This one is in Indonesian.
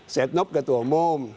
setnop ketua umum